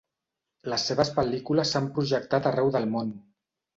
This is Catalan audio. Les seves pel·lícules s'han projectat arreu del món.